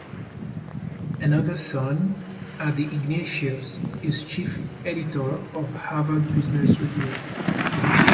Another son, Adi Ignatius, is Chief Editor of Harvard Business Review.